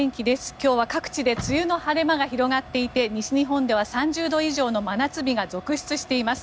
今日は各地で梅雨の晴れ間が広がっていて西日本では３０度以上の真夏日が続出しています。